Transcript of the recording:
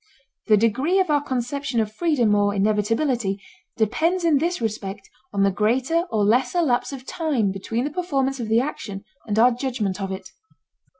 The degree of our conception of freedom or inevitability depends in this respect on the greater or lesser lapse of time between the performance of the action and our judgment of it.